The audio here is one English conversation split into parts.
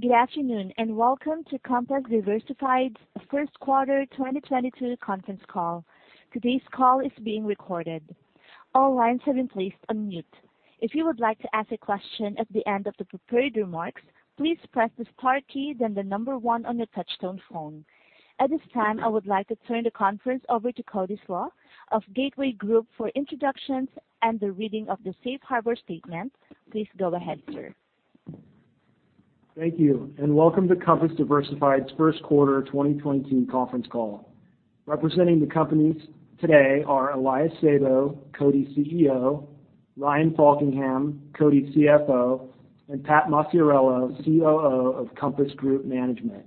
Good afternoon, and welcome to Compass Diversified's Q1 2022 conference call. Today's call is being recorded. All lines have been placed on mute. If you would like to ask a question at the end of the prepared remarks, please press the *key, then the number 1 on your touchtone phone. At this time, I would like to turn the conference over to Cody Slach of Gateway Group for introductions and the reading of the safe harbor statement. Please go ahead, sir. Thank you, and welcome to Compass Diversified's Q1 2022 conference call. Representing the companies today are Elias Sabo, CODI CEO, Ryan Faulkingham, CODI CFO, and Pat Maciariello, COO of Compass Group Management.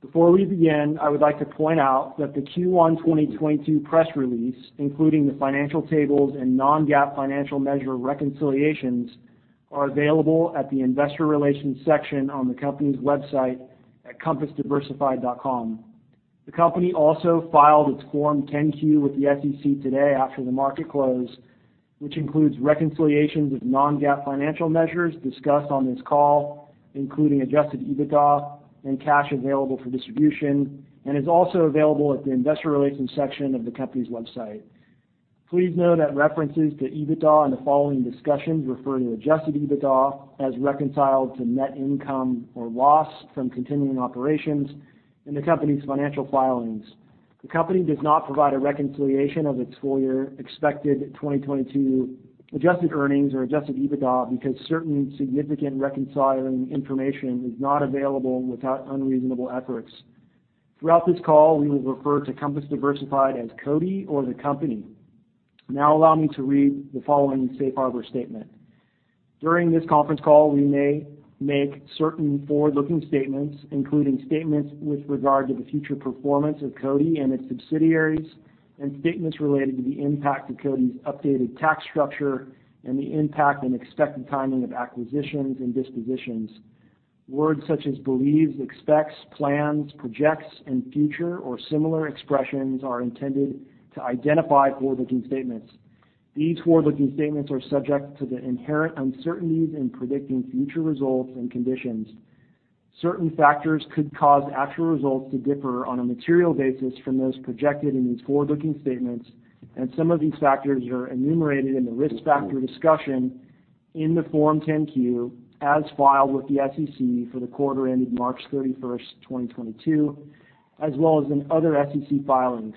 Before we begin, I would like to point out that the Q1 2022 press release, including the financial tables and non-GAAP financial measure reconciliations, are available at the investor relations section on the company's website at compassdiversified.com. The company also filed its Form 10-Q with the SEC today after the market closed, which includes reconciliations of non-GAAP financial measures discussed on this call, including adjusted EBITDA and cash available for distribution, and is also available at the investor relations section of the company's website. Please note that references to EBITDA in the following discussions refer to adjusted EBITDA as reconciled to net income or loss from continuing operations in the company's financial filings. The company does not provide a reconciliation of its full year expected 2022 Adjusted Earnings or Adjusted EBITDA because certain significant reconciling information is not available without unreasonable efforts. Throughout this call, we will refer to Compass Diversified as Cody or the company. Now allow me to read the following safe harbor statement. During this conference call, we may make certain forward-looking statements, including statements with regard to the future performance of Cody and its subsidiaries and statements related to the impact of Cody's updated tax structure and the impact and expected timing of acquisitions and dispositions. Words such as believes, expects, plans, projects, and future or similar expressions are intended to identify forward-looking statements. These forward-looking statements are subject to the inherent uncertainties in predicting future results and conditions. Certain factors could cause actual results to differ on a material basis from those projected in these forward-looking statements, and some of these factors are enumerated in the risk factor discussion in the Form 10-Q as filed with the SEC for the quarter ending March 31, 2022, as well as in other SEC filings.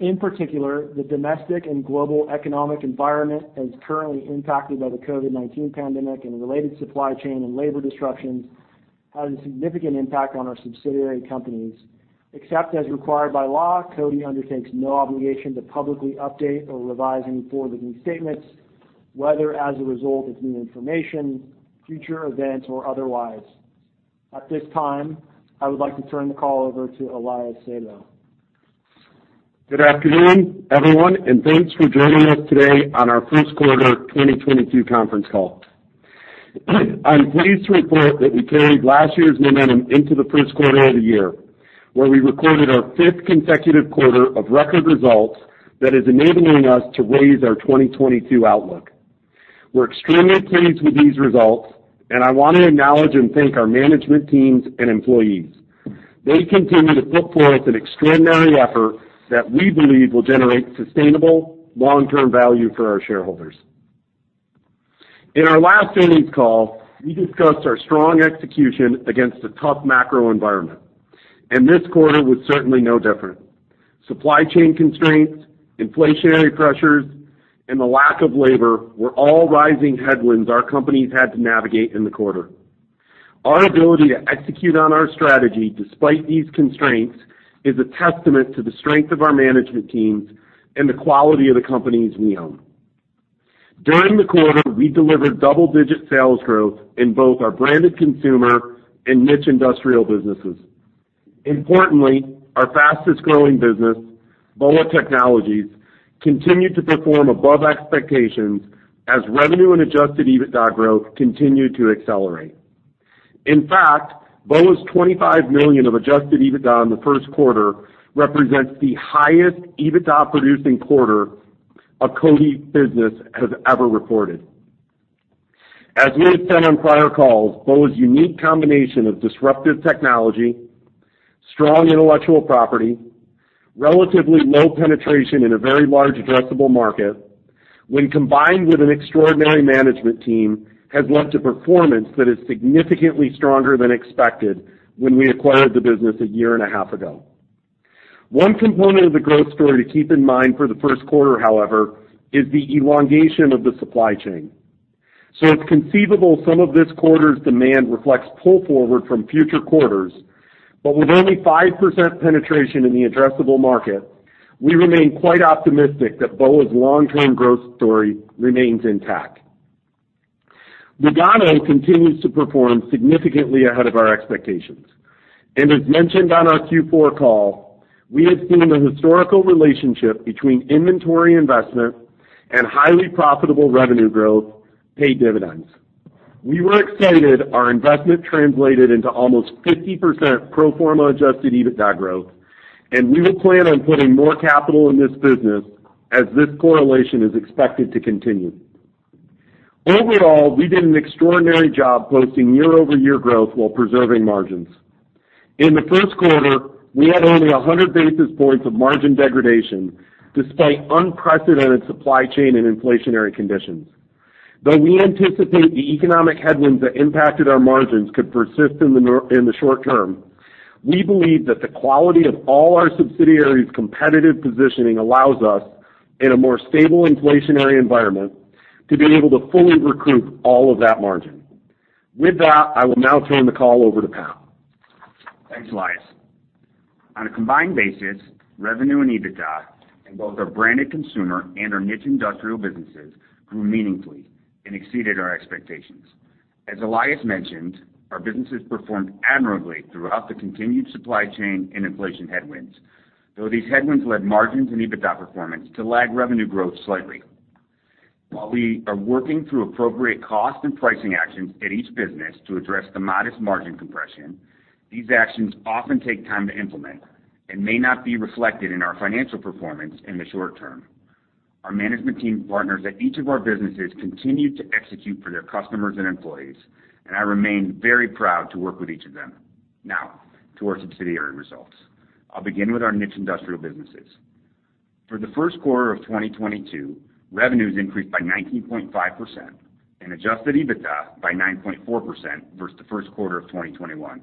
In particular, the domestic and global economic environment as currently impacted by the COVID-19 pandemic and the related supply chain and labor disruptions has a significant impact on our subsidiary companies. Except as required by law, Cody undertakes no obligation to publicly update or revise any forward-looking statements, whether as a result of new information, future events, or otherwise. At this time, I would like to turn the call over to Elias Sabo. Good afternoon, everyone, and thanks for joining us today on our Q1 2022 conference call. I'm pleased to report that we carried last year's momentum into the Q1 of the year, where we recorded our fifth consecutive quarter of record results that is enabling us to raise our 2022 outlook. We're extremely pleased with these results, and I want to acknowledge and thank our management teams and employees. They continue to put forth an extraordinary effort that we believe will generate sustainable long-term value for our shareholders. In our last earnings call, we discussed our strong execution against a tough macro environment, and this quarter was certainly no different. Supply chain constraints, inflationary pressures, and the lack of labor were all rising headwinds our companies had to navigate in the quarter. Our ability to execute on our strategy despite these constraints is a testament to the strength of our management teams and the quality of the companies we own. During the quarter, we delivered double-digit sales growth in both our branded consumer and niche industrial businesses. Importantly, our fastest-growing business, BOA Technology, continued to perform above expectations as revenue and Adjusted EBITDA growth continued to accelerate. In fact, BOA Technology's $25 million of Adjusted EBITDA in the Q1 represents the highest EBITDA-producing quarter a CODI business has ever reported. As we have said on prior calls, BOA Technology's unique combination of disruptive technology, strong intellectual property, relatively low penetration in a very large addressable market, when combined with an extraordinary management team, has led to performance that is significantly stronger than expected when we acquired the business a year and a half ago. One component of the growth story to keep in mind for the Q1, however, is the elongation of the supply chain. It's conceivable some of this quarter's demand reflects pull forward from future quarters. With only 5% penetration in the addressable market, we remain quite optimistic that BOA's long-term growth story remains intact. Lugano continues to perform significantly ahead of our expectations. As mentioned on our Q4 call, we have seen the historical relationship between inventory investment and highly profitable revenue growth pay dividends. We were excited our investment translated into almost 50% pro forma adjusted EBITDA growth. We will plan on putting more capital in this business as this correlation is expected to continue. Overall, we did an extraordinary job posting year-over-year growth while preserving margins. In the Q1, we had only 100 basis points of margin degradation despite unprecedented supply chain and inflationary conditions. Though we anticipate the economic headwinds that impacted our margins could persist in the short term, we believe that the quality of all our subsidiaries' competitive positioning allows us, in a more stable inflationary environment, to be able to fully recoup all of that margin. With that, I will now turn the call over to Pat. Thanks, Elias. On a combined basis, revenue and EBITDA in both our branded consumer and our niche industrial businesses grew meaningfully and exceeded our expectations. As Elias mentioned, our businesses performed admirably throughout the continued supply chain and inflation headwinds. These headwinds led margins and EBITDA performance to lag revenue growth slightly. While we are working through appropriate cost and pricing actions at each business to address the modest margin compression, these actions often take time to implement and may not be reflected in our financial performance in the short term. Our management team partners at each of our businesses continue to execute for their customers and employees, and I remain very proud to work with each of them. Now to our subsidiary results. I'll begin with our niche industrial businesses. For the Q1 of 2022, revenues increased by 19.5% and adjusted EBITDA by 9.4% versus the Q1 of 2021.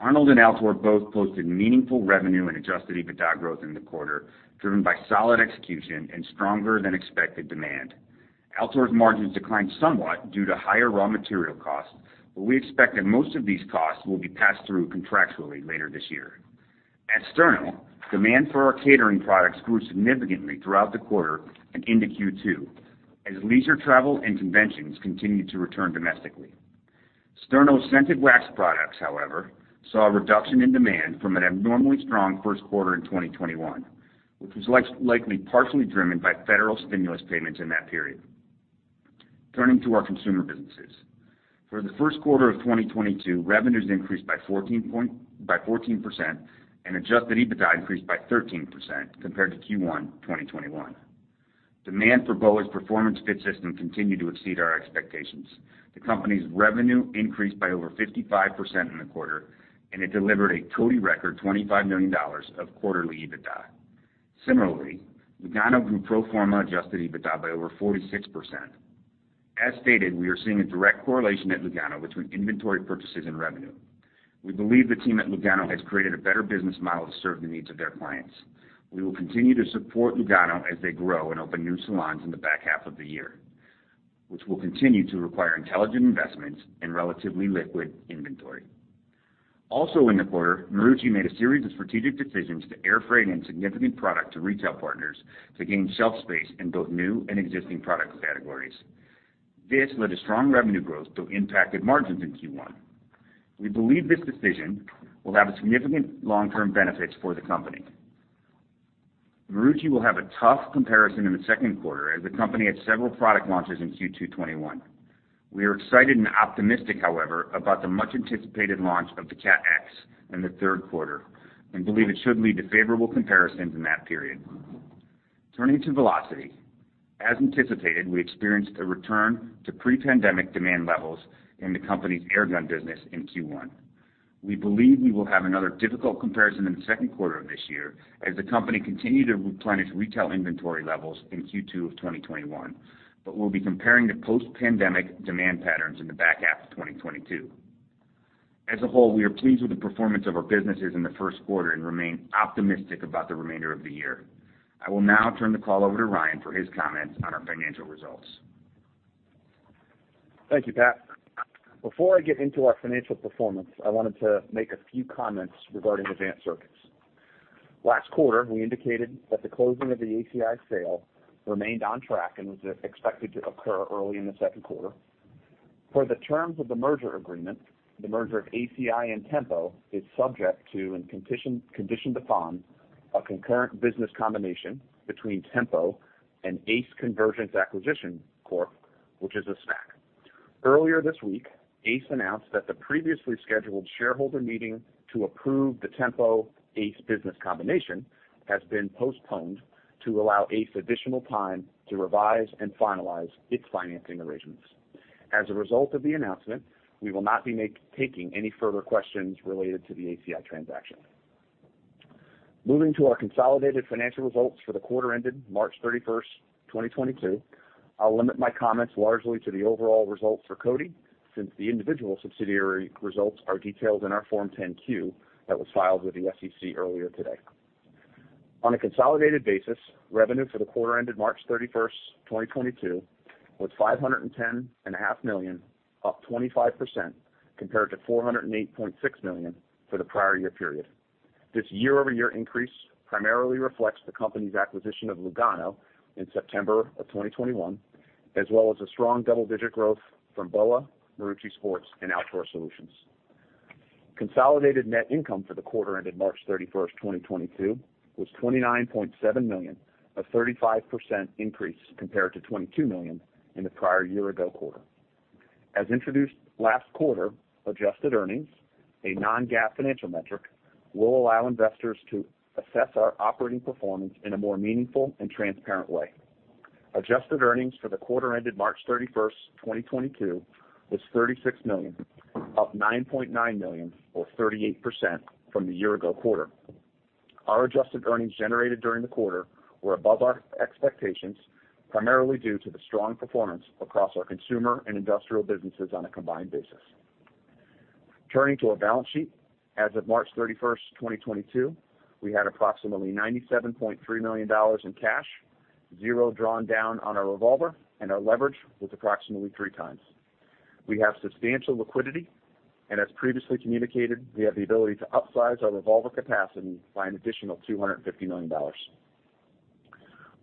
Arnold and Outdoor both posted meaningful revenue and adjusted EBITDA growth in the quarter, driven by solid execution and stronger-than-expected demand. Outdoor's margins declined somewhat due to higher raw material costs, but we expect that most of these costs will be passed through contractually later this year. At Sterno, demand for our catering products grew significantly throughout the quarter and into Q2 as leisure travel and conventions continued to return domestically. Sterno's scented wax products, however, saw a reduction in demand from an abnormally strong Q1 in 2021, which was likely partially driven by federal stimulus payments in that period. Turning to our consumer businesses. For the Q1 of 2022, revenues increased by 14% and adjusted EBITDA increased by 13% compared to Q1 2021. Demand for BOA's performance fit system continued to exceed our expectations. The company's revenue increased by over 55% in the quarter, and it delivered a company record $25 million of quarterly EBITDA. Similarly, Lugano grew pro forma adjusted EBITDA by over 46%. As stated, we are seeing a direct correlation at Lugano between inventory purchases and revenue. We believe the team at Lugano has created a better business model to serve the needs of their clients. We will continue to support Lugano as they grow and open new salons in the back half of the year, which will continue to require intelligent investments and relatively liquid inventory. Also in the quarter, Marucci made a series of strategic decisions to air freight in significant product to retail partners to gain shelf space in both new and existing product categories. This led to strong revenue growth, though impacted margins in Q1. We believe this decision will have a significant long-term benefits for the company. Marucci will have a tough comparison in the Q2 as the company had several product launches in Q2 2021. We are excited and optimistic, however, about the much-anticipated launch of the CatX in the Q3 and believe it should lead to favorable comparisons in that period. Turning to Velocity. As anticipated, we experienced a return to pre-pandemic demand levels in the company's airgun business in Q1. We believe we will have another difficult comparison in the Q2 of this year as the company continued to replenish retail inventory levels in Q2 of 2021, but we'll be comparing the post-pandemic demand patterns in the back half of 2022. As a whole, we are pleased with the performance of our businesses in the Q1 and remain optimistic about the remainder of the year. I will now turn the call over to Ryan for his comments on our financial results. Thank you, Pat. Before I get into our financial performance, I wanted to make a few comments regarding Advanced Circuits. Last quarter, we indicated that the closing of the ACI sale remained on track and was expected to occur early in the Q2. Per the terms of the merger agreement, the merger of ACI and Tempo is subject to and conditioned upon a concurrent business combination between Tempo and ACE Convergence Acquisition Corp, which is a SPAC. Earlier this week, ACE announced that the previously scheduled shareholder meeting to approve the Tempo-ACE business combination has been postponed to allow ACE additional time to revise and finalize its financing arrangements. As a result of the announcement, we will not be taking any further questions related to the ACI transaction. Moving to our consolidated financial results for the quarter ended March 31, 2022, I'll limit my comments largely to the overall results for Cody, since the individual subsidiary results are detailed in our Form 10-Q that was filed with the SEC earlier today. On a consolidated basis, revenue for the quarter ended March 31, 2022 was $510 and a half million, up 25% compared to $408.6 million for the prior year period. This year-over-year increase primarily reflects the company's acquisition of Lugano Diamonds in September 2021, as well as a strong double-digit growth from BOA, Marucci Sports, and Outdoor Solutions. Consolidated net income for the quarter ended March 31, 2022 was $29.7 million, a 35% increase compared to $22 million in the prior year-ago quarter. As introduced last quarter, adjusted earnings, a non-GAAP financial metric, will allow investors to assess our operating performance in a more meaningful and transparent way. Adjusted earnings for the quarter ended March 31, 2022 was $36 million, up $9.9 million, or 38%, from the year ago quarter. Our adjusted earnings generated during the quarter were above our expectations, primarily due to the strong performance across our consumer and industrial businesses on a combined basis. Turning to our balance sheet, as of March 31, 2022, we had approximately $97.3 million in cash, zero drawn down on our revolver, and our leverage was approximately 3x. We have substantial liquidity, and as previously communicated, we have the ability to upsize our revolver capacity by an additional $250 million.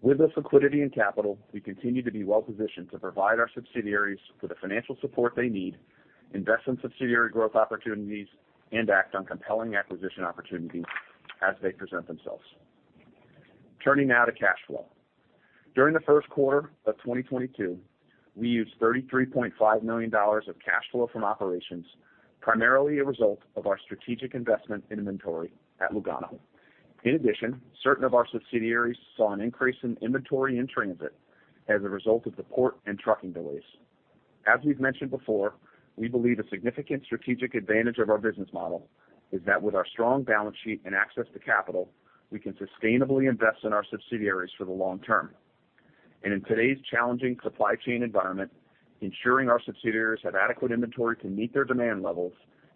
With this liquidity and capital, we continue to be well-positioned to provide our subsidiaries with the financial support they need, invest in subsidiary growth opportunities, and act on compelling acquisition opportunities as they present themselves. Turning now to cash flow. During the Q1 of 2022, we used $33.5 million of cash flow from operations, primarily a result of our strategic investment in inventory at Lugano. In addition, certain of our subsidiaries saw an increase in inventory in transit as a result of the port and trucking delays. As we've mentioned before, we believe a significant strategic advantage of our business model is that with our strong balance sheet and access to capital, we can sustainably invest in our subsidiaries for the long term. In today's challenging supply chain environment, ensuring our subsidiaries have adequate inventory to meet their demand levels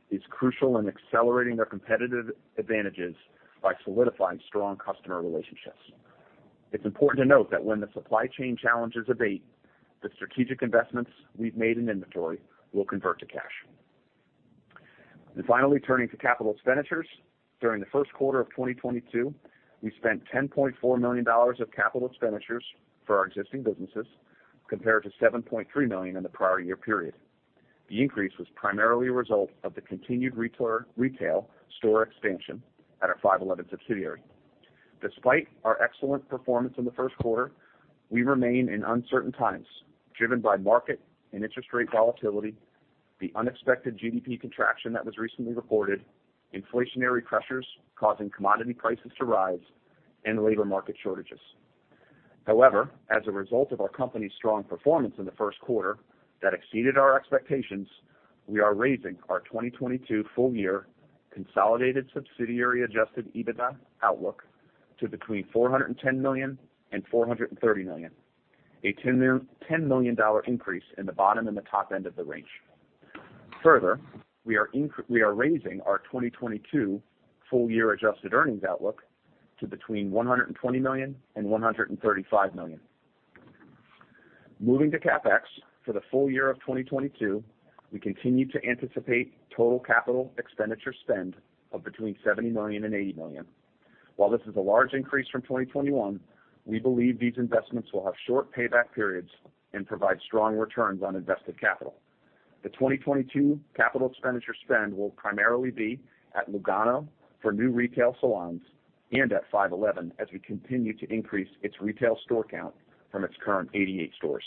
is crucial in accelerating their competitive advantages by solidifying strong customer relationships. It's important to note that when the supply chain challenges abate, the strategic investments we've made in inventory will convert to cash. Finally, turning to capital expenditures. During the Q1 of 2022, we spent $10.4 million of capital expenditures for our existing businesses compared to $7.3 million in the prior year period. The increase was primarily a result of the continued retail store expansion at our 5.11 subsidiary. Despite our excellent performance in the Q1, we remain in uncertain times, driven by market and interest rate volatility, the unexpected GDP contraction that was recently reported, inflationary pressures causing commodity prices to rise, and labor market shortages. However, as a result of our company's strong performance in the Q1 that exceeded our expectations, we are raising our 2022 full year consolidated subsidiary adjusted EBITDA outlook to between $410 million and $430 million, a $10 million increase in the bottom and the top end of the range. Further, we are raising our 2022 full year adjusted earnings outlook to between $120 million and $135 million. Moving to CapEx. For the full year of 2022, we continue to anticipate total capital expenditure spend of between $70 million and $80 million. While this is a large increase from 2021, we believe these investments will have short payback periods and provide strong returns on invested capital. The 2022 capital expenditure spend will primarily be at Lugano for new retail salons and at 5.11 as we continue to increase its retail store count from its current 88 stores.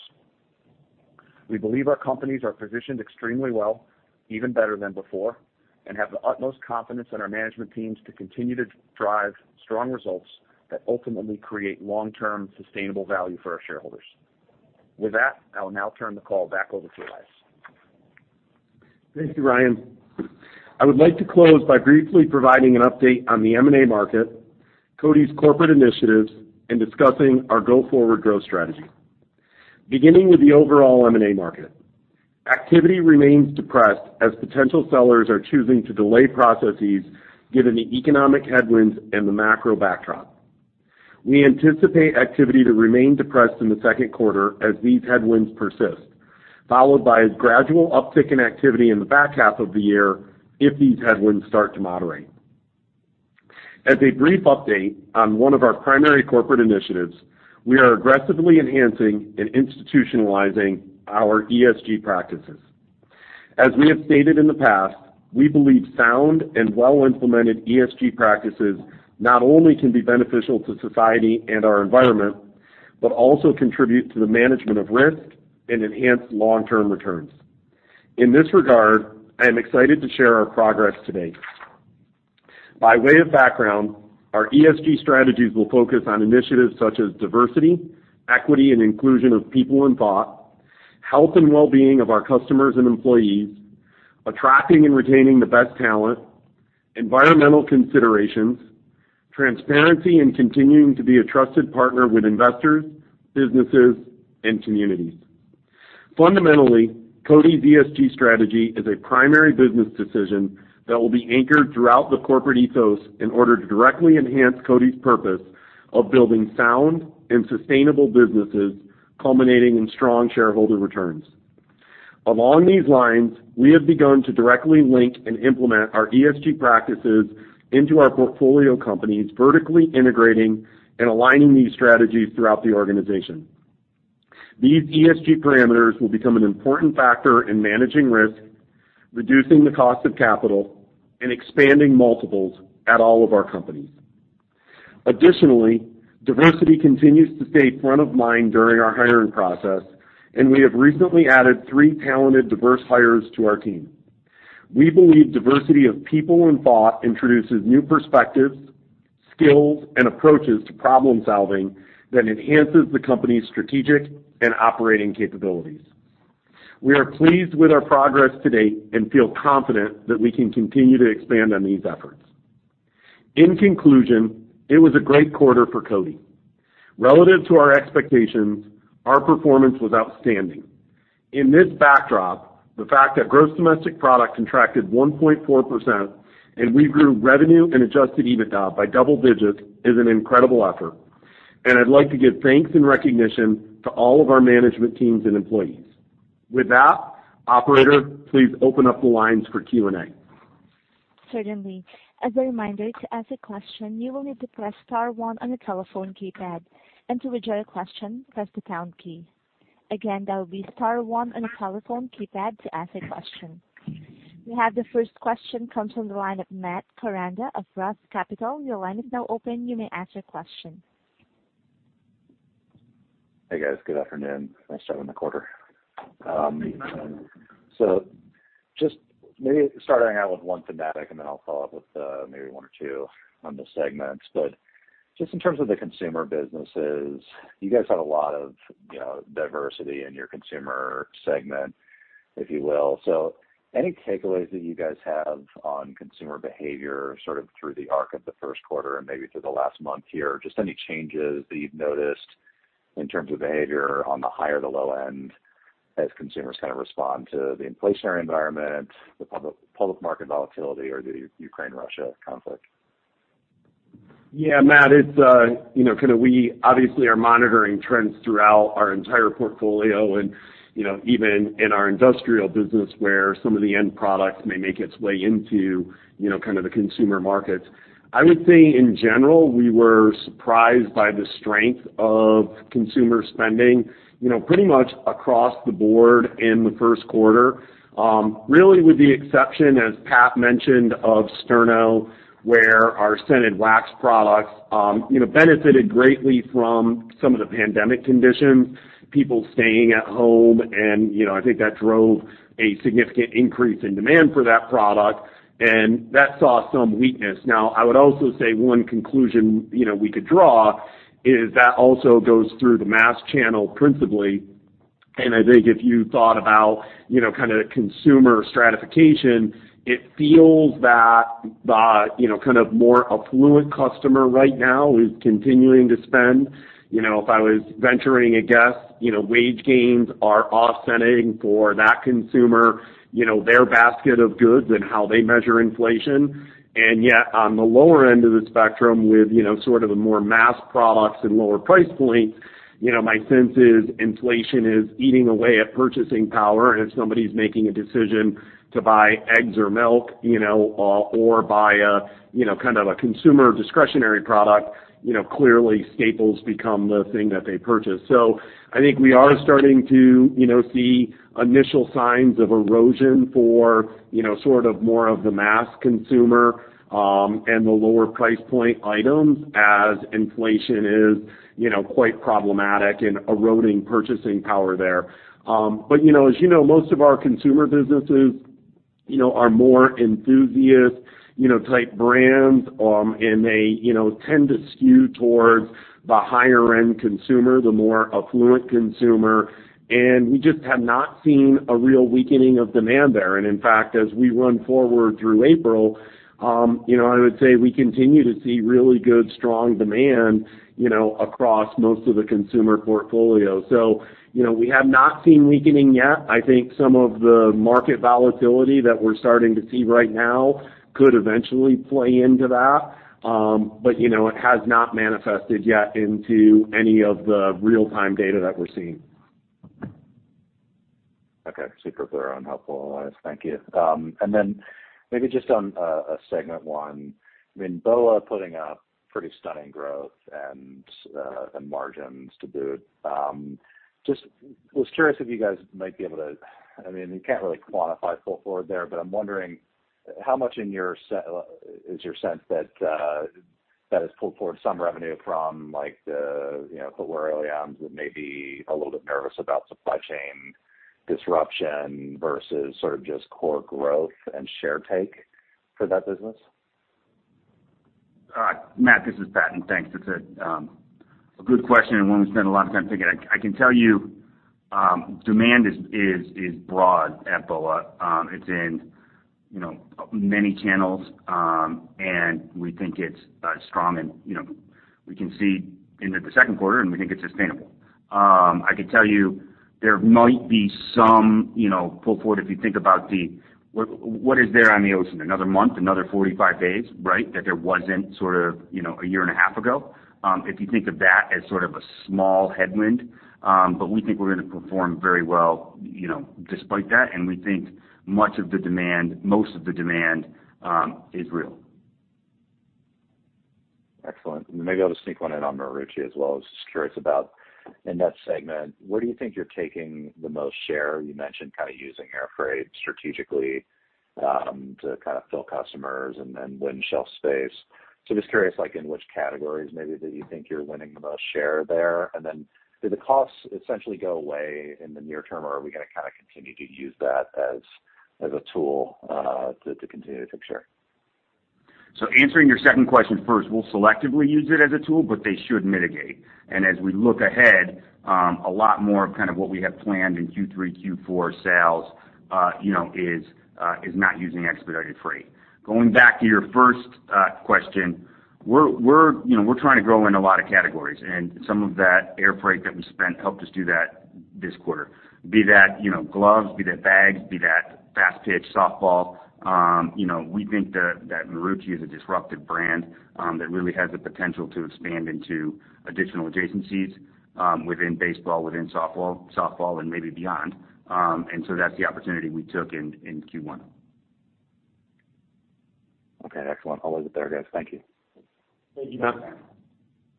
We believe our companies are positioned extremely well, even better than before, and have the utmost confidence in our management teams to continue to drive strong results that ultimately create long-term sustainable value for our shareholders. With that, I will now turn the call back over to Elias. Thank you, Ryan. I would like to close by briefly providing an update on the M&A market, CODI's corporate initiatives, and discussing our go-forward growth strategy. Beginning with the overall M&A market. Activity remains depressed as potential sellers are choosing to delay processes given the economic headwinds and the macro backdrop. We anticipate activity to remain depressed in the Q2 as these headwinds persist, followed by a gradual uptick in activity in the back half of the year if these headwinds start to moderate. As a brief update on one of our primary corporate initiatives, we are aggressively enhancing and institutionalizing our ESG practices. As we have stated in the past, we believe sound and well-implemented ESG practices not only can be beneficial to society and our environment, but also contribute to the management of risk and enhance long-term returns. In this regard, I am excited to share our progress today. By way of background, our ESG strategies will focus on initiatives such as diversity, equity, and inclusion of people and thought, health and well-being of our customers and employees, attracting and retaining the best talent, environmental considerations, transparency, and continuing to be a trusted partner with investors, businesses, and communities. Fundamentally, CODI's ESG strategy is a primary business decision that will be anchored throughout the corporate ethos in order to directly enhance CODI's purpose of building sound and sustainable businesses, culminating in strong shareholder returns. Along these lines, we have begun to directly link and implement our ESG practices into our portfolio companies, vertically integrating and aligning these strategies throughout the organization. These ESG parameters will become an important factor in managing risk, reducing the cost of capital, and expanding multiples at all of our companies. Additionally, diversity continues to stay front of mind during our hiring process, and we have recently added three talented diverse hires to our team. We believe diversity of people and thought introduces new perspectives, skills, and approaches to problem-solving that enhances the company's strategic and operating capabilities. We are pleased with our progress to date and feel confident that we can continue to expand on these efforts. In conclusion, it was a great quarter for CODI. Relative to our expectations, our performance was outstanding. In this backdrop, the fact that gross domestic product contracted 1.4% and we grew revenue and Adjusted EBITDA by double digits is an incredible effort. I'd like to give thanks and recognition to all of our management teams and employees. With that, operator, please open up the lines for Q&A. Certainly. As a reminder, to ask a question, you will need to press *one on your telephone keypad, and to withdraw your question, press the pound key. Again, that will be *one on your telephone keypad to ask a question. We have the first question comes from the line of Matt Koranda of ROTH Capital. Your line is now open. You may ask your question. Hey, guys. Good afternoon. Nice job on the quarter. Just maybe starting out with one thematic, and then I'll follow up with maybe one or two on the segments. Just in terms of the consumer businesses, you guys have a lot of, you know, diversity in your consumer segment, if you will. Any takeaways that you guys have on consumer behavior sort of through the arc of the Q1 and maybe through the last month here? Just any changes that you've noticed in terms of behavior on the high or the low end as consumers kind of respond to the inflationary environment, the public market volatility, or the Ukraine-Russia conflict? Yeah, Matt, it's, you know, kind of we obviously are monitoring trends throughout our entire portfolio and, you know, even in our industrial business where some of the end products may make its way into, you know, kind of the consumer markets. I would say in general, we were surprised by the strength of consumer spending, you know, pretty much across the board in the Q1. Really with the exception, as Pat mentioned, of Sterno, where our scented wax products, you know, benefited greatly from some of the pandemic conditions, people staying at home, and, you know, I think that drove a significant increase in demand for that product, and that saw some weakness. Now, I would also say one conclusion, you know, we could draw is that also goes through the mass channel principally. I think if you thought about, you know, kind of consumer stratification, it feels that the, you know, kind of more affluent customer right now is continuing to spend. You know, if I was venturing a guess, you know, wage gains are offsetting for that consumer, you know, their basket of goods and how they measure inflation. Yet, on the lower end of the spectrum with, you know, sort of the more mass products and lower price points, you know, my sense is inflation is eating away at purchasing power. If somebody's making a decision to buy eggs or milk, you know, or buy a, you know, kind of a consumer discretionary product, you know, clearly staples become the thing that they purchase. I think we are starting to, you know, see initial signs of erosion for, you know, sort of more of the mass consumer, and the lower price point items as inflation is, you know, quite problematic in eroding purchasing power there. You know, as you know, most of our consumer businesses, you know, are more enthusiast, you know, type brands, and they, you know, tend to skew towards the higher-end consumer, the more affluent consumer. We just have not seen a real weakening of demand there. In fact, as we run forward through April, you know, I would say we continue to see really good, strong demand, you know, across most of the consumer portfolio. You know, we have not seen weakening yet. I think some of the market volatility that we're starting to see right now could eventually play into that. You know, it has not manifested yet into any of the real-time data that we're seeing. Okay. Super clear and helpful. Thank you. Then maybe just on segment one, I mean, BOA putting up pretty stunning growth and margins to boot. Just was curious if you guys. I mean, you can't really quantify pull forward there, but I'm wondering how much is your sense that has pulled forward some revenue from like the, you know, the lower OEMs that may be a little bit nervous about supply chain disruption versus sort of just core growth and share take for that business? All right, Matt, this is Pat, and thanks. It's a good question and one we spend a lot of time thinking. I can tell you, demand is broad at BOA. It's in, you know, many channels, and we think it's strong and, you know, we can see into the Q2, and we think it's sustainable. I can tell you there might be some, you know, pull forward if you think about what is there on the ocean, another month, another 45 days, right? That there wasn't sort of, you know, a year and a half ago. If you think of that as sort of a small headwind, but we think we're gonna perform very well, you know, despite that. We think much of the demand, most of the demand, is real. Excellent. Maybe I'll just sneak one in on Marucci as well. I was just curious about in that segment, where do you think you're taking the most share? You mentioned kind of using air freight strategically to kind of fill customers and then win shelf space. Just curious, like in which categories maybe that you think you're winning the most share there. Then do the costs essentially go away in the near term, or are we gonna kind of continue to use that as a tool to continue to take share? Answering your second question first. We'll selectively use it as a tool, but they should mitigate. As we look ahead, a lot more of, kind of what we have planned in Q3, Q4 sales, you know, is not using expedited freight. Going back to your first question, we're, you know, we're trying to grow in a lot of categories and some of that airfreight that we spent helped us do that this quarter. Be that, you know, gloves, be that bags, be that fast pitch softball. You know, we think that Marucci is a disruptive brand, that really has the potential to expand into additional adjacencies, within baseball, within softball, and maybe beyond. That's the opportunity we took in Q1. Okay, excellent. I'll leave it there, guys. Thank you. Thank you.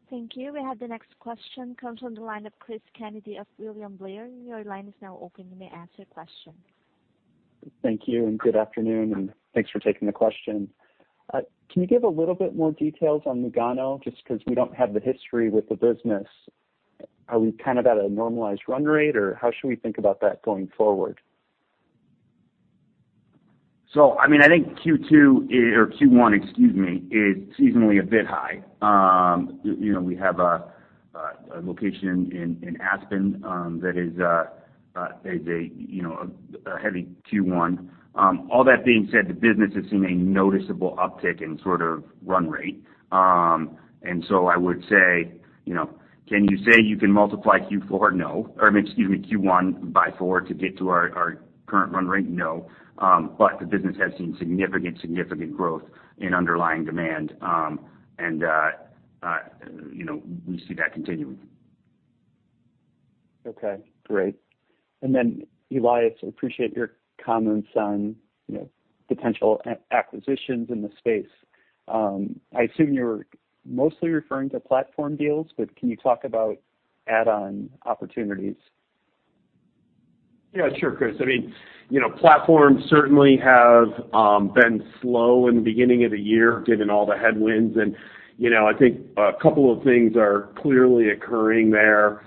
Thank you. We have the next question comes from the line of Cristopher Kennedy of William Blair. Your line is now open. You may ask your question. Thank you and good afternoon, and thanks for taking the question. Can you give a little bit more details on Lugano, just 'cause we don't have the history with the business? Are we kind of at a normalized run rate, or how should we think about that going forward? I mean, I think Q2 or Q1, excuse me, is seasonally a bit high. You know, we have a location in Aspen that is, you know, a heavy Q1. All that being said, the business has seen a noticeable uptick in sort of run rate. I would say, you know, can you say you can multiply Q4? No. Or excuse me, Q1 by four to get to our current run rate? No. But the business has seen significant growth in underlying demand. You know, we see that continuing. Okay, great. Elias, appreciate your comments on, you know, potential acquisitions in the space. I assume you're mostly referring to platform deals, but can you talk about add-on opportunities? Yeah, sure, Chris. I mean, you know, platforms certainly have been slow in the beginning of the year given all the headwinds and, you know. I think a couple of things are clearly occurring there.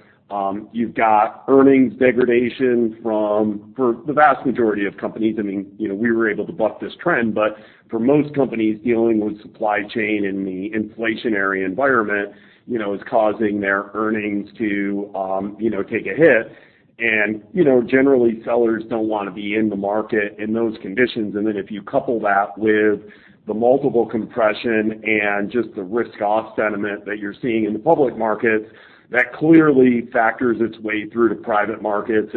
You've got earnings degradation for the vast majority of companies. I mean, you know, we were able to buck this trend, but for most companies dealing with supply chain in the inflationary environment, you know, is causing their earnings to, you know, take a hit. You know, generally, sellers don't wanna be in the market in those conditions. If you couple that with the multiple compression and just the risk off sentiment that you're seeing in the public markets, that clearly factors its way through to private markets.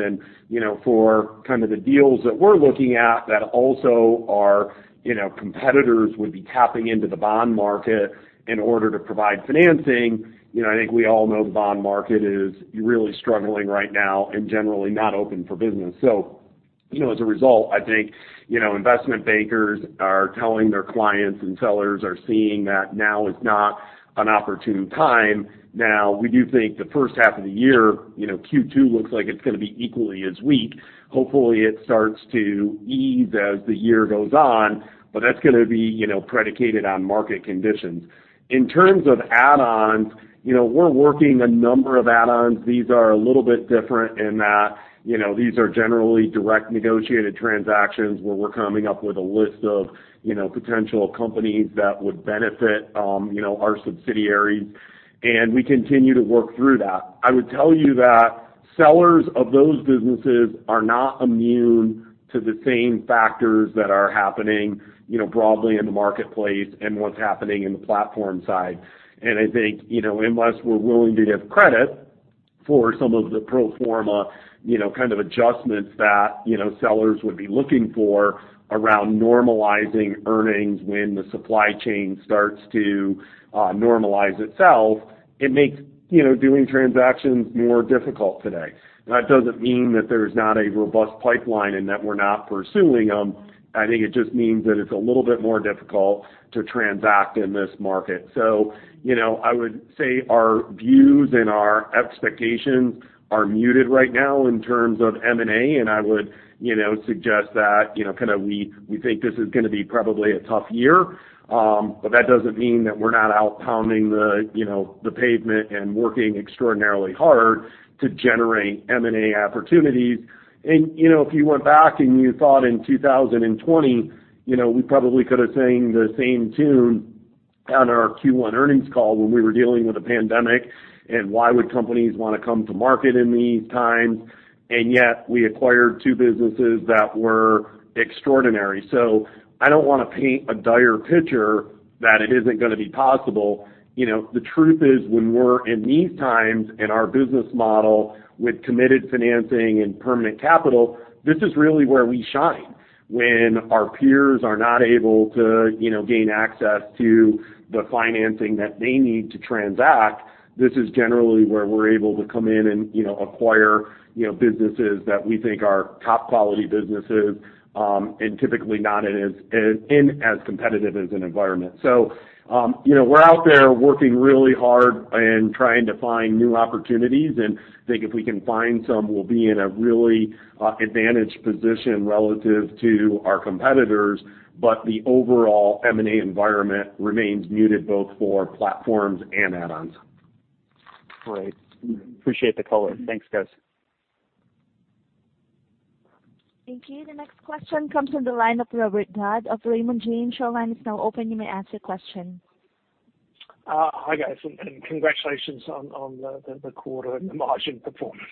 You know, for kind of the deals that we're looking at that also are, you know, competitors would be tapping into the bond market in order to provide financing. You know, I think we all know the bond market is really struggling right now and generally not open for business. You know, as a result, I think, you know, investment bankers are telling their clients and sellers are seeing that now is not an opportune time. Now, we do think the first half of the year, you know, Q2 looks like it's gonna be equally as weak. Hopefully, it starts to ease as the year goes on, but that's gonna be, you know, predicated on market conditions. In terms of add-ons, you know, we're working a number of add-ons. These are a little bit different in that, you know, these are generally direct negotiated transactions where we're coming up with a list of, you know, potential companies that would benefit, you know, our subsidiaries, and we continue to work through that. I would tell you that sellers of those businesses are not immune to the same factors that are happening, you know, broadly in the marketplace and what's happening in the platform side. I think, you know, unless we're willing to give credit for some of the pro forma, you know, kind of adjustments that, you know, sellers would be looking for around normalizing earnings when the supply chain starts to normalize itself, it makes, you know, doing transactions more difficult today. That doesn't mean that there's not a robust pipeline and that we're not pursuing them. I think it just means that it's a little bit more difficult to transact in this market. You know, I would say our views and our expectations are muted right now in terms of M&A, and I would, you know, suggest that, you know, kinda we think this is gonna be probably a tough year. That doesn't mean that we're not out pounding the, you know, the pavement and working extraordinarily hard to generate M&A opportunities. You know, if you went back and you thought in 2020, you know, we probably could have sang the same tune on our Q1 earnings call when we were dealing with a pandemic, and why would companies wanna come to market in these times? Yet we acquired two businesses that were extraordinary. I don't wanna paint a dire picture that it isn't gonna be possible. You know, the truth is, when we're in these times in our business model with committed financing and permanent capital, this is really where we shine. When our peers are not able to, you know, gain access to the financing that they need to transact. This is generally where we're able to come in and, you know, acquire, you know, businesses that we think are top quality businesses, and typically not in as competitive an environment. You know, we're out there working really hard and trying to find new opportunities, and I think if we can find some, we'll be in a really, advantaged position relative to our competitors. But the overall M&A environment remains muted both for platforms and add-ons. Great. Appreciate the color. Thanks, guys. Thank you. The next question comes from the line of Robert Dodd of Raymond James. Your line is now open. You may ask your question. Hi, guys, and congratulations on the quarter and the margin performance.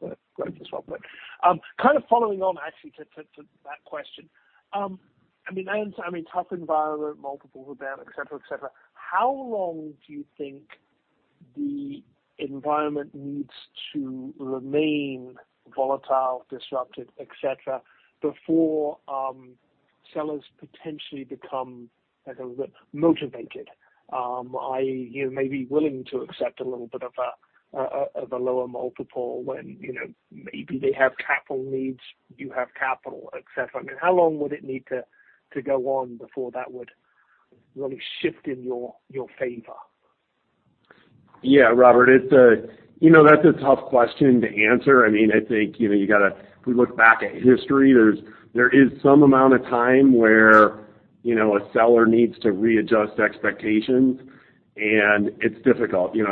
Great as well. Kind of following on actually to that question, I mean, I understand, I mean, tough environment, multiples are down, et cetera. How long do you think the environment needs to remain volatile, disrupted, et cetera, before sellers potentially become like a little bit motivated? Are you maybe willing to accept a little bit of a lower multiple when, you know, maybe they have capital needs, you have capital, et cetera? I mean, how long would it need to go on before that would really shift in your favor? Yeah, Robert, it's a. You know, that's a tough question to answer. I mean, I think, you know, you gotta if we look back at history, there is some amount of time where, you know, a seller needs to readjust expectations, and it's difficult. You know,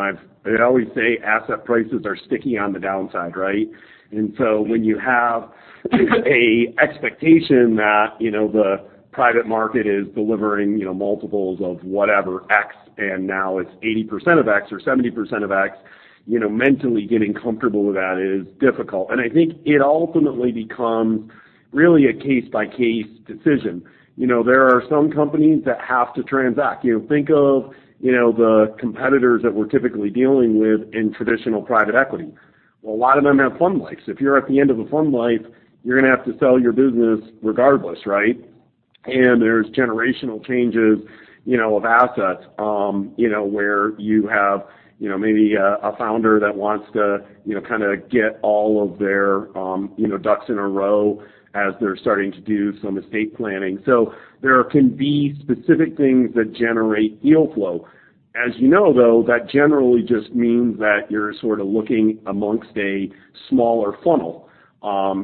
I always say asset prices are sticky on the downside, right? And so when you have a expectation that, you know, the private market is delivering, you know, multiples of whatever X, and now it's 80% of X or 70% of X, you know, mentally getting comfortable with that is difficult. And I think it ultimately becomes really a case-by-case decision. You know, there are some companies that have to transact. You know, think of, you know, the competitors that we're typically dealing with in traditional private equity. Well, a lot of them have fund life. If you're at the end of a fund life, you're gonna have to sell your business regardless, right? There's generational changes, you know, of assets, you know, where you have, you know, maybe a founder that wants to, you know, kinda get all of their, you know, ducks in a row as they're starting to do some estate planning. There can be specific things that generate deal flow. As you know, though, that generally just means that you're sorta looking amongst a smaller funnel,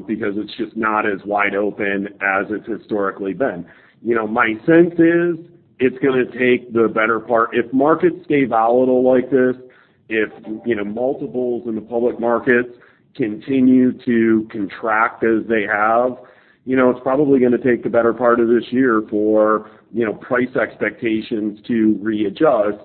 because it's just not as wide open as it's historically been. You know, my sense is it's gonna take the better part. If markets stay volatile like this, you know, multiples in the public markets continue to contract as they have, you know, it's probably gonna take the better part of this year for, you know, price expectations to readjust.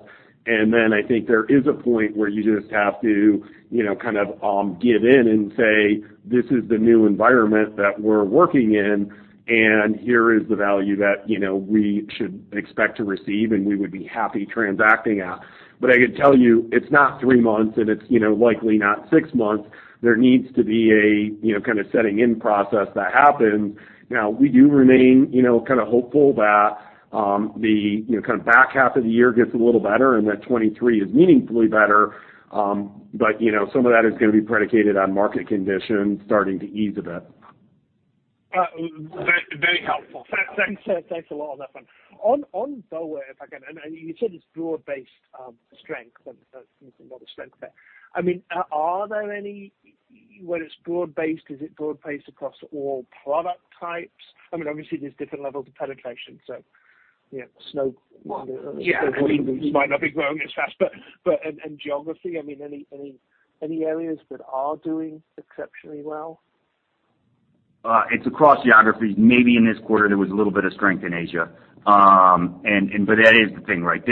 Then I think there is a point where you just have to, you know, kind of, give in and say, "This is the new environment that we're working in, and here is the value that, you know, we should expect to receive and we would be happy transacting at." I can tell you it's not three months, and it's, you know, likely not six months. There needs to be a, you know, kinda setting in process that happens. Now, we do remain, you know, kinda hopeful that, the, you know, kinda back half of the year gets a little better and that 2023 is meaningfully better. You know, some of that is gonna be predicated on market conditions starting to ease a bit. Very helpful. Thanks a lot on that one. On BOA, if I can, and you said it's broad-based strength, and that's obviously not a strength there. I mean, are there any. When it's broad-based, is it broad-based across all product types? I mean, obviously there's different levels of penetration, so you know, snow might Yeah. It might not be growing as fast, but geography, I mean, any areas that are doing exceptionally well? It's across geographies. Maybe in this quarter there was a little bit of strength in Asia. That is the thing, right?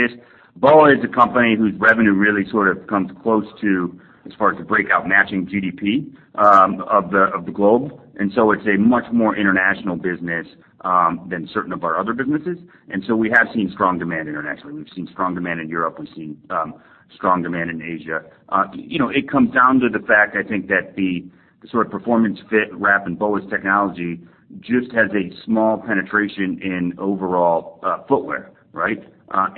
BOA is a company whose revenue really sort of comes close to, as far as the breakout, matching GDP of the globe. It's a much more international business than certain of our other businesses. We have seen strong demand internationally. We've seen strong demand in Europe. We've seen strong demand in Asia. You know, it comes down to the fact, I think that the sort of performance fit, wrap, and BOA's technology just has a small penetration in overall footwear, right? I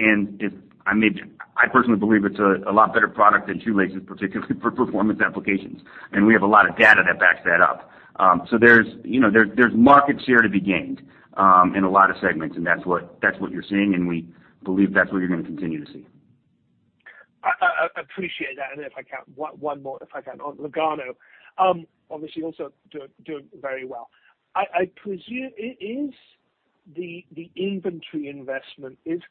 mean, I personally believe it's a lot better product than shoelaces, particularly for performance applications, and we have a lot of data that backs that up. There's, you know, market share to be gained in a lot of segments, and that's what you're seeing, and we believe that's what you're gonna continue to see. I appreciate that. If I can, one more, if I can, on Lugano, obviously also doing very well. I presume the inventory investment is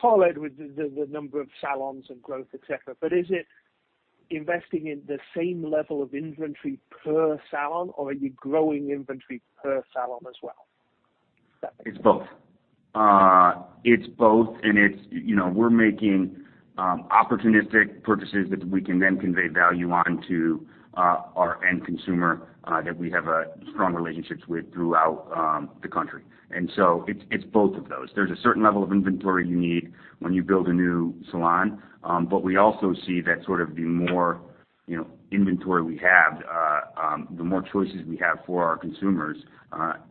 correlated with the number of salons and growth, et cetera? Is it investing in the same level of inventory per salon, or are you growing inventory per salon as well? It's both. You know, we're making opportunistic purchases that we can then convey value on to our end consumer that we have strong relationships with throughout the country. It's both of those. There's a certain level of inventory you need when you build a new salon, but we also see that sort of the more You know, inventory we have, the more choices we have for our consumers,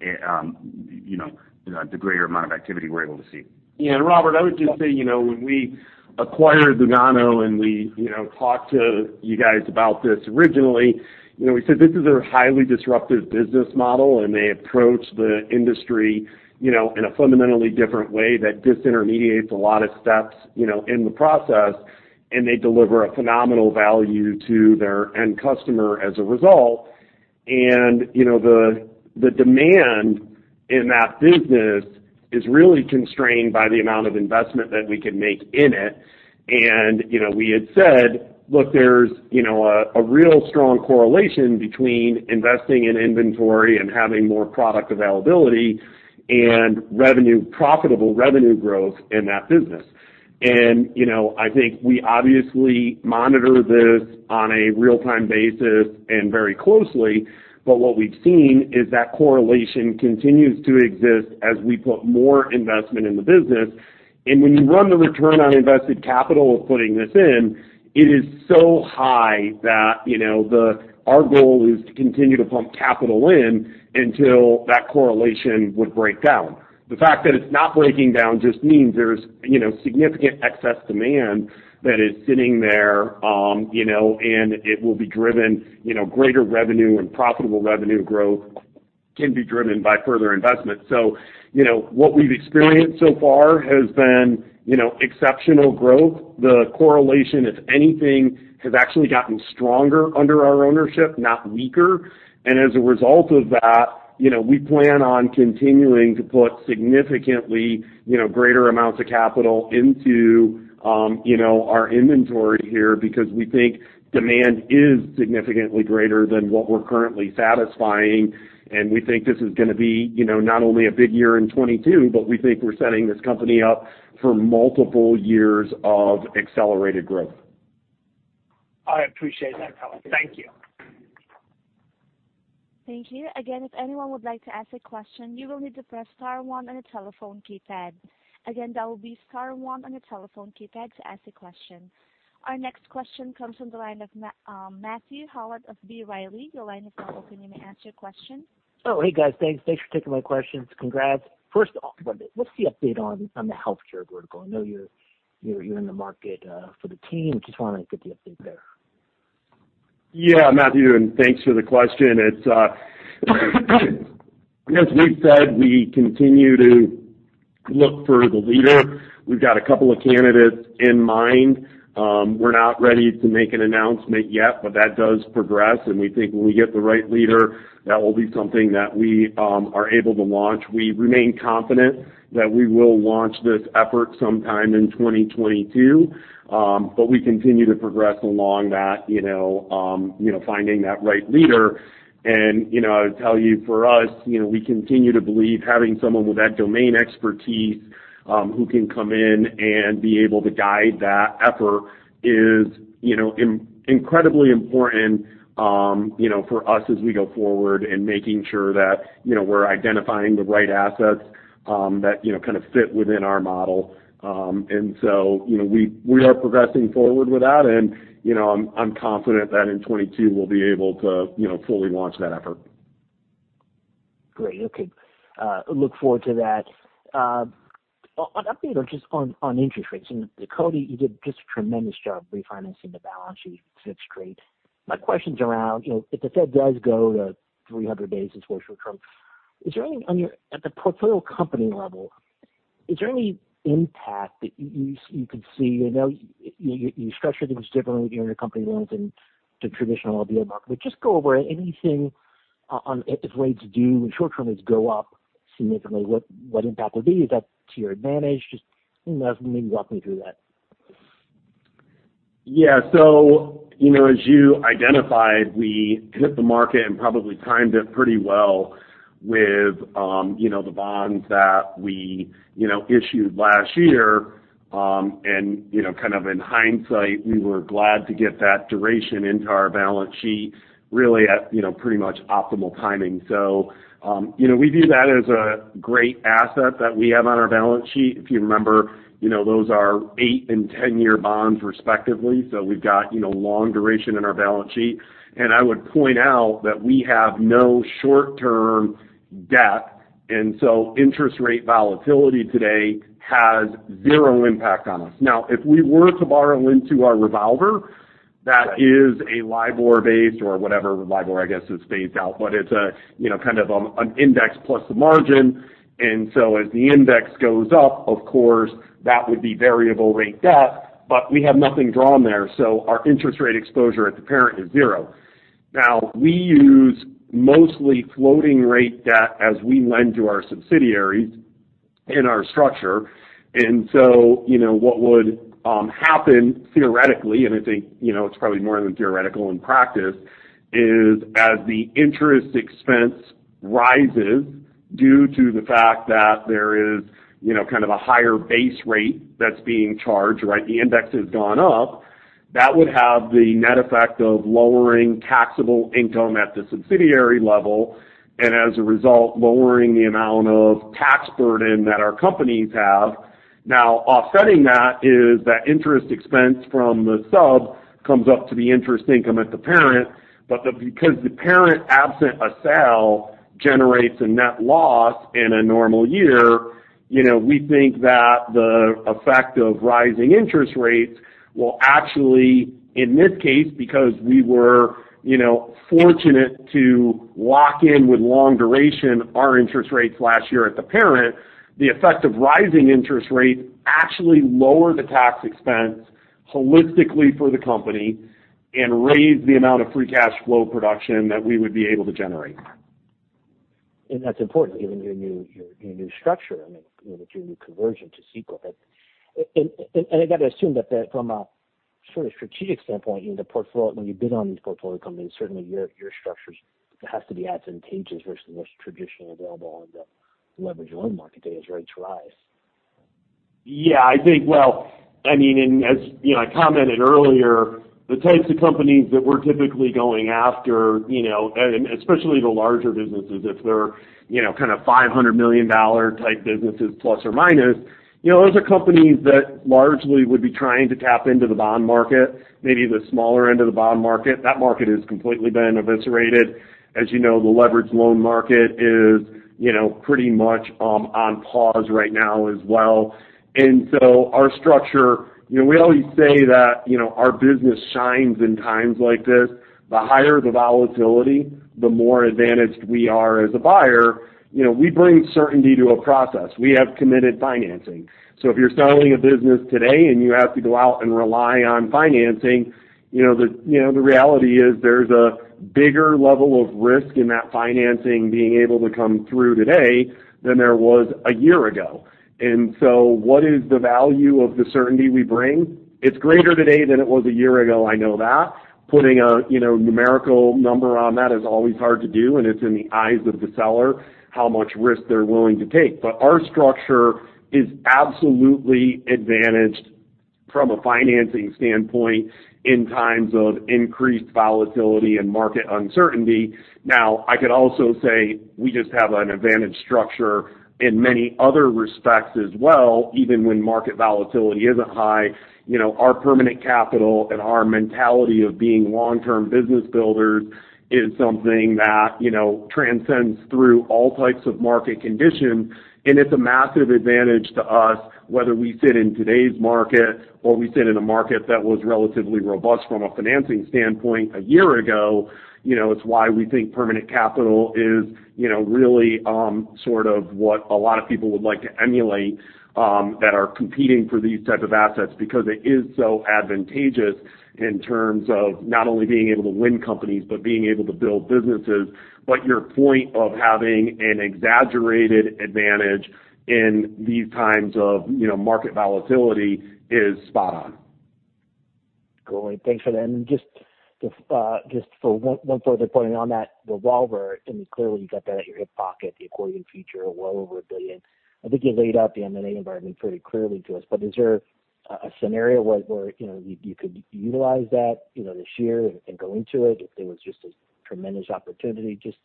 you know, the greater amount of activity we're able to see. Yeah, Robert, I would just say, you know, when we acquired Lugano and we, you know, talked to you guys about this originally, you know, we said this is a highly disruptive business model, and they approach the industry, you know, in a fundamentally different way that disintermediates a lot of steps, you know, in the process, and they deliver a phenomenal value to their end customer as a result. You know, the demand in that business is really constrained by the amount of investment that we can make in it. You know, we had said, look, there's, you know, a real strong correlation between investing in inventory and having more product availability and revenue, profitable revenue growth in that business. You know, I think we obviously monitor this on a real-time basis and very closely. What we've seen is that correlation continues to exist as we put more investment in the business. When you run the return on invested capital of putting this in, it is so high that, you know, our goal is to continue to pump capital in until that correlation would break down. The fact that it's not breaking down just means there's, you know, significant excess demand that is sitting there, you know, and it will be driven, you know, greater revenue and profitable revenue growth can be driven by further investment. You know, what we've experienced so far has been, you know, exceptional growth. The correlation, if anything, has actually gotten stronger under our ownership, not weaker. As a result of that, you know, we plan on continuing to put significantly, you know, greater amounts of capital into, you know, our inventory here because we think demand is significantly greater than what we're currently satisfying. We think this is gonna be, you know, not only a big year in 2022, but we think we're setting this company up for multiple years of accelerated growth. I appreciate that, Elias. Thank you. Thank you. Again, if anyone would like to ask a question, you will need to press *one on the telephone keypad. Again, that will be *one on your telephone keypad to ask a question. Our next question comes from the line of Matthew Hollett of B. Riley. Your line is now open. You may ask your question. Oh, hey, guys. Thanks for taking my questions. Congrats. What's the update on the healthcare vertical? I know you're in the market for the team. Just wanna get the update there. Yeah, Matthew, thanks for the question. It's as we've said, we continue to look for the leader. We've got a couple of candidates in mind. We're not ready to make an announcement yet, but that does progress, and we think when we get the right leader, that will be something that we are able to launch. We remain confident that we will launch this effort sometime in 2022. We continue to progress along that, you know, you know, finding that right leader. You know, I'll tell you, for us, you know, we continue to believe having someone with that domain expertise, who can come in and be able to guide that effort is, you know, incredibly important, you know, for us as we go forward and making sure that, you know, we're identifying the right assets, that, you know, kind of fit within our model. You know, we are progressing forward with that and, you know, I'm confident that in 2022 we'll be able to, you know, fully launch that effort. Great. Okay. Look forward to that. On update or just on interest rates, and Cody, you did just a tremendous job refinancing the balance sheet. It's great. My question's around, you know, if the Fed does go to 300 basis points in short term, is there any at the portfolio company level, is there any impact that you could see? I know you structure things differently with your intercompany loans and the traditional LBO market. But just go over anything on if rates do when short-term rates go up significantly, what impact would be? Is that to your advantage? Just, you know, maybe walk me through that. Yeah. You know, as you identified, we hit the market and probably timed it pretty well with, you know, the bonds that we, you know, issued last year. You know, kind of in hindsight, we were glad to get that duration into our balance sheet really at, you know, pretty much optimal timing. You know, we view that as a great asset that we have on our balance sheet. If you remember, you know, those are 8- and 10-year bonds respectively, so we've got, you know, long duration in our balance sheet. I would point out that we have no short-term debt, and so interest rate volatility today has zero impact on us. Now, if we were to borrow into our revolver, that is a LIBOR-based or whatever, LIBOR, I guess, is phased out, but it's a, you know, kind of, an index plus a margin. As the index goes up, of course, that would be variable rate debt, but we have nothing drawn there, so our interest rate exposure at the parent is zero. Now, we use mostly floating rate debt as we lend to our subsidiaries in our structure. You know, what would happen theoretically, and I think, you know, it's probably more than theoretical in practice, is as the interest expense rises due to the fact that there is, you know, kind of a higher base rate that's being charged, right? The index has gone up. That would have the net effect of lowering taxable income at the subsidiary level, and as a result, lowering the amount of tax burden that our companies have. Now offsetting that is that interest expense from the sub comes up to the interest income at the parent. Because the parent, absent a sale, generates a net loss in a normal year, you know, we think that the effect of rising interest rates will actually, in this case, because we were, you know, fortunate to lock in with long duration our interest rates last year at the parent, actually lower the tax expense holistically for the company and raise the amount of free cash flow production that we would be able to generate. That's important given your new structure. I mean, you know, with your new conversion to C-Corp. I gotta assume that from a sort of strategic standpoint, you know, when you bid on these portfolio companies, certainly your structures has to be advantageous versus what's traditionally available in the leveraged loan market as rates rise. Yeah, I think, well, I mean, as you know, I commented earlier, the types of companies that we're typically going after, you know, and especially the larger businesses, if they're, you know, kind of $500 million type businesses, plus or minus, you know, those are companies that largely would be trying to tap into the bond market, maybe the smaller end of the bond market. That market has completely been eviscerated. As you know, the leveraged loan market is, you know, pretty much on pause right now as well. Our structure, you know, we always say that, you know, our business shines in times like this. The higher the volatility, the more advantaged we are as a buyer. You know, we bring certainty to a process. We have committed financing. If you're selling a business today, and you have to go out and rely on financing, you know, the reality is there's a bigger level of risk in that financing being able to come through today than there was a year ago. What is the value of the certainty we bring? It's greater today than it was a year ago, I know that. Putting a you know numerical number on that is always hard to do, and it's in the eyes of the seller how much risk they're willing to take. Our structure is absolutely advantaged from a financing standpoint in times of increased volatility and market uncertainty. Now, I could also say we just have an advantage structure in many other respects as well, even when market volatility isn't high. You know, our permanent capital and our mentality of being long-term business builders is something that, you know, transcends through all types of market conditions, and it's a massive advantage to us, whether we sit in today's market or we sit in a market that was relatively robust from a financing standpoint a year ago. You know, it's why we think permanent capital is, you know, really, sort of what a lot of people would like to emulate, that are competing for these types of assets because it is so advantageous in terms of not only being able to win companies but being able to build businesses. Your point of having an exaggerated advantage in these times of, you know, market volatility is spot on. Great. Thanks for that. Just for one further point on that revolver, I mean, clearly you got that at your hip pocket, the accordion feature well over $1 billion. I think you laid out the M&A environment pretty clearly to us. Is there a scenario where you could utilize that, you know, this year and going to it if there was just a tremendous opportunity? Just,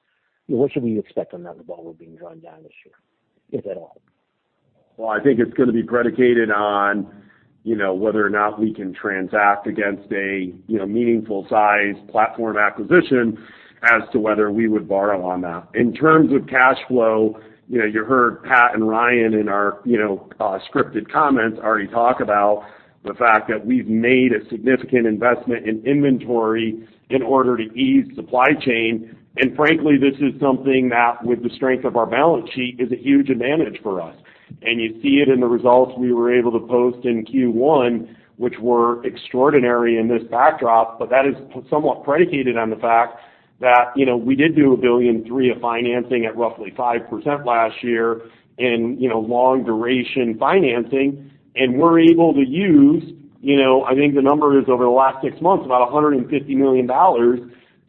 you know, what should we expect on that revolver being drawn down this year, if at all? Well, I think it's gonna be predicated on, you know, whether or not we can transact against a, you know, meaningful size platform acquisition as to whether we would borrow on that. In terms of cash flow, you know, you heard Pat and Ryan in our, you know, scripted comments already talk about the fact that we've made a significant investment in inventory in order to ease supply chain. Frankly, this is something that, with the strength of our balance sheet, is a huge advantage for us. You see it in the results we were able to post in Q1, which were extraordinary in this backdrop, but that is somewhat predicated on the fact that, you know, we did do $1.3 billion of financing at roughly 5% last year in, you know, long duration financing and we're able to use, you know, I think the number is over the last six months, about $150 million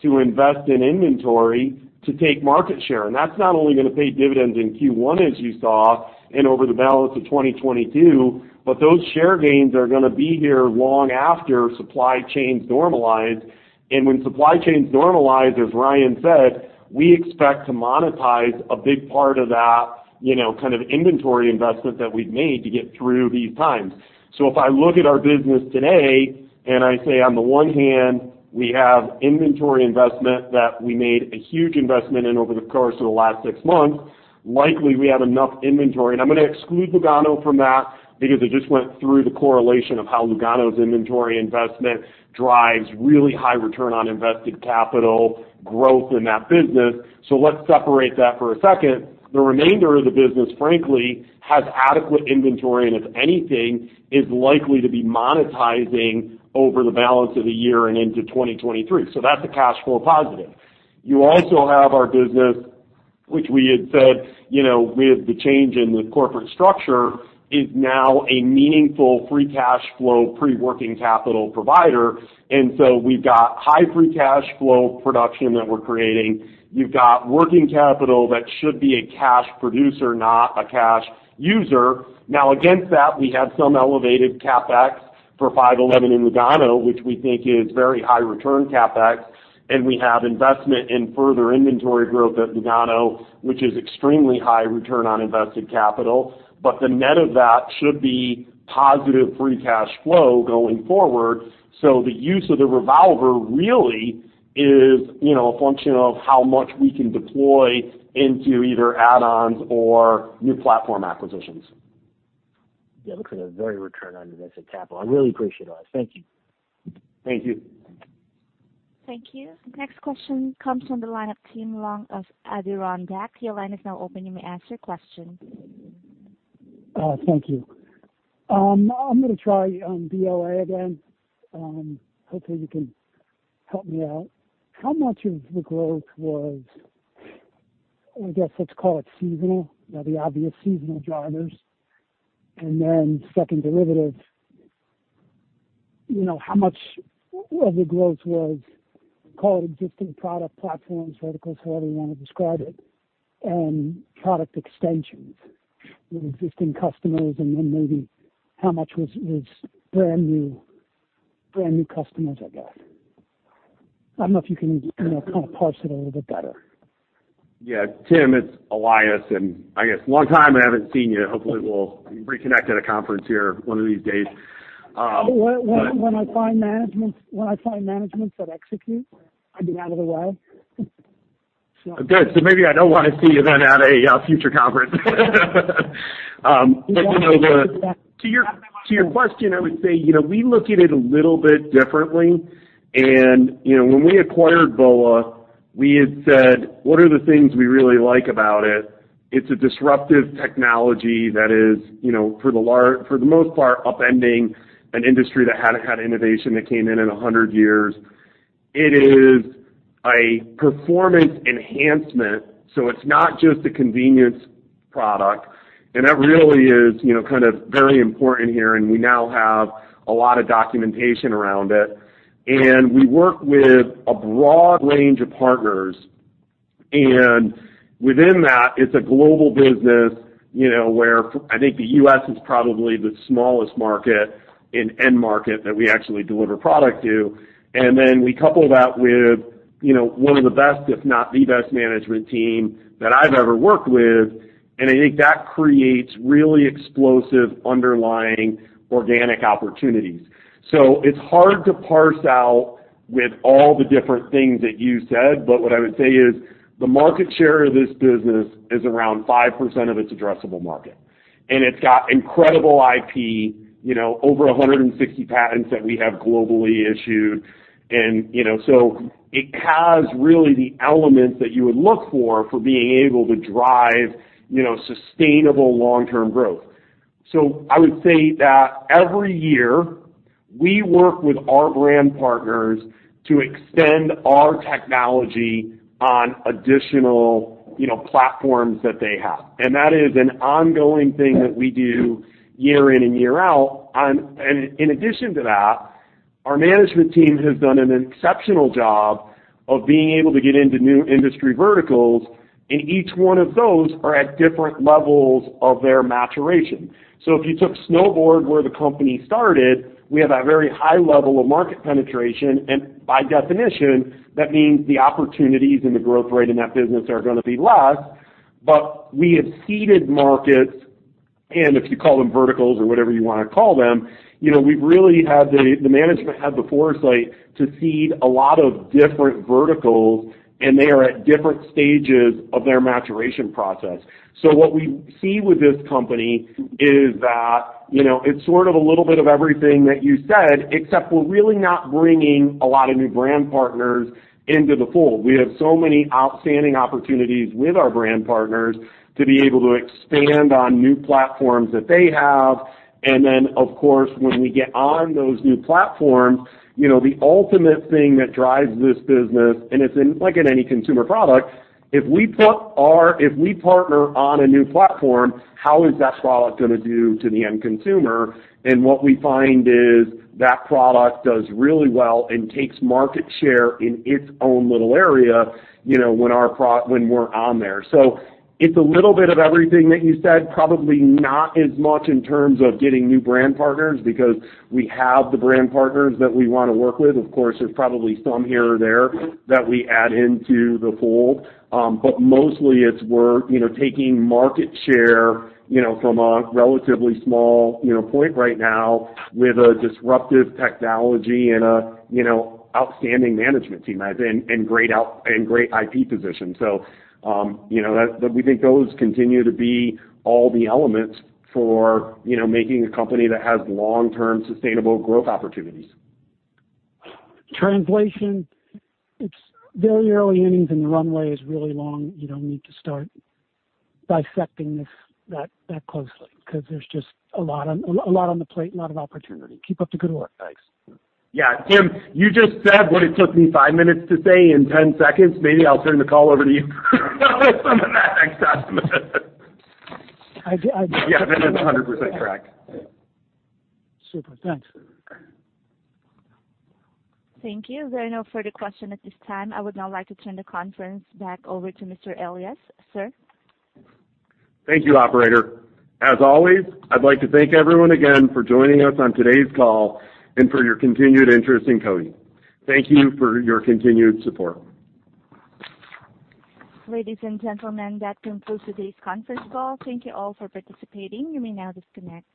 to invest in inventory to take market share. That's not only gonna pay dividends in Q1, as you saw, and over the balance of 2022, but those share gains are gonna be here long after supply chains normalize. When supply chains normalize, as Ryan said, we expect to monetize a big part of that, you know, kind of inventory investment that we've made to get through these times. If I look at our business today, and I say, on the one hand, we have inventory investment that we made a huge investment in over the course of the last six months, likely we have enough inventory. I'm gonna exclude Lugano from that because I just went through the correlation of how Lugano's inventory investment drives really high Return on Invested Capital growth in that business. Let's separate that for a second. The remainder of the business, frankly, has adequate inventory, and if anything is likely to be monetizing over the balance of the year and into 2023. That's a cash flow positive. You also have our business, which we had said, you know, with the change in the corporate structure, is now a meaningful free cash flow, pre-working capital provider. We've got high free cash flow production that we're creating. You've got working capital that should be a cash producer, not a cash user. Now against that, we have some elevated CapEx for 5.11 in Lugano, which we think is very high return CapEx, and we have investment in further inventory growth at Lugano, which is extremely high return on invested capital. The net of that should be positive free cash flow going forward. The use of the revolver really is, you know, a function of how much we can deploy into either add-ons or new platform acquisitions. Yeah. Looks like a very Return on Invested Capital. I really appreciate it. Thank you. Thank you. Thank you. Next question comes from the line of Tim Long of Adirondack. Your line is now open. You may ask your question. Thank you. I'm gonna try BOA again. Hopefully you can help me out. How much of the growth was, I guess, let's call it seasonal, you know, the obvious seasonal drivers. Second derivative, you know, how much of the growth was, call it existing product platforms, verticals, however you wanna describe it, and product extensions with existing customers and then maybe how much was brand new customers, I guess. I don't know if you can, you know, kind of parse it a little bit better. Yeah. Tim, it's Elias. I guess, long time I haven't seen you. Hopefully, we'll reconnect at a conference here one of these days. When I find managements that execute, I get out of the way. Good. Maybe I don't wanna see you then at a future conference. You know, to your question, I would say, you know, we look at it a little bit differently. You know, when we acquired BOA, we had said, what are the things we really like about it? It's a disruptive technology that is, you know, for the most part, upending an industry that hadn't had innovation that came in a hundred years. It is a performance enhancement, so it's not just a convenience product. That really is, you know, kind of very important here, and we now have a lot of documentation around it. We work with a broad range of partners. Within that, it's a global business, you know, where I think the U.S. is probably the smallest market in end market that we actually deliver product to. Then we couple that with, you know, one of the best, if not the best management team that I've ever worked with. I think that creates really explosive underlying organic opportunities. It's hard to parse out with all the different things that you said, but what I would say is, the market share of this business is around 5% of its addressable market. It's got incredible IP, you know, over 160 patents that we have globally issued. You know, it has really the elements that you would look for being able to drive, you know, sustainable long-term growth. I would say that every year, we work with our brand partners to extend our technology on additional, you know, platforms that they have. That is an ongoing thing that we do year in and year out on. In addition to that, our management team has done an exceptional job of being able to get into new industry verticals, and each one of those are at different levels of their maturation. If you took snowboard where the company started, we have a very high level of market penetration. By definition, that means the opportunities and the growth rate in that business are gonna be less. We have seeded markets, and if you call them verticals or whatever you wanna call them, you know, we've really had the management had the foresight to seed a lot of different verticals, and they are at different stages of their maturation process. What we see with this company is that, you know, it's sort of a little bit of everything that you said, except we're really not bringing a lot of new brand partners into the fold. We have so many outstanding opportunities with our brand partners to be able to expand on new platforms that they have. Then, of course, when we get on those new platforms, you know, the ultimate thing that drives this business, and it's like in any consumer product, if we partner on a new platform, how is that product gonna do to the end consumer? What we find is that product does really well and takes market share in its own little area, you know, when we're on there. It's a little bit of everything that you said, probably not as much in terms of getting new brand partners because we have the brand partners that we wanna work with. Of course, there's probably some here or there that we add into the fold. Mostly it's we're, you know, taking market share, you know, from a relatively small, you know, point right now with a disruptive technology and a, you know, outstanding management team and great IP position. You know, that we think those continue to be all the elements for, you know, making a company that has long-term sustainable growth opportunities. Translation, it's very early innings and the runway is really long. You don't need to start dissecting this and that closely 'cause there's just a lot on the plate, a lot of opportunity. Keep up the good work. Thanks. Yeah. Tim, you just said what it took me five minutes to say in ten seconds. Maybe I'll turn the call over to you on the next item. [audio disortion] Yeah. No, that's 100% correct. Super. Thanks. Thank you. There are no further questions at this time. I would now like to turn the conference back over to Mr. Elias, sir. Thank you, operator. As always, I'd like to thank everyone again for joining us on today's call and for your continued interest in CODI. Thank you for your continued support. Ladies and gentlemen, that concludes today's conference call. Thank you all for participating. You may now disconnect.